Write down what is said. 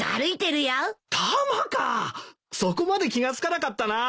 そこまで気が付かなかったなあ。